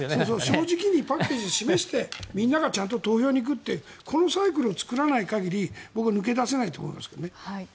正直にパッケージを示してみんながちゃんと投票に行くサイクルを作らない限り僕は抜け出せないと思いますけどね。